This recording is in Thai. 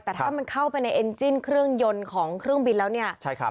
แต่ถ้ามันเข้าไปในเอ็นจิ้นเครื่องยนต์ของเครื่องบินแล้วเนี่ย